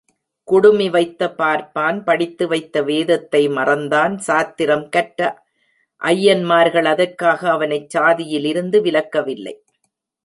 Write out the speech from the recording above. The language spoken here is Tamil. குடுமிவைத்த பார்ப்பான் படித்து வைத்த வேதத்தை மறந்தான் சாத்திரம் கற்ற ஐயன்மார்கள் அதற்காக அவனைச் சாதியில் இருந்து விலக்கவில்லை.